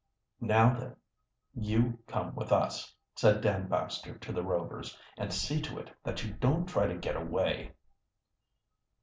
"Now then, you come with us," said Dan Baxter to the Rovers. "And see to it that you don't try to get away."